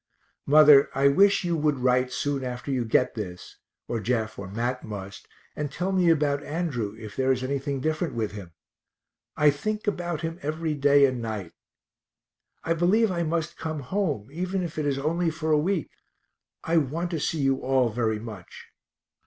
Mother, I wish you would write soon after you get this, or Jeff or Mat must, and tell me about Andrew, if there is anything different with him I think about him every day and night. I believe I must come home, even if it is only for a week I want to see you all very much.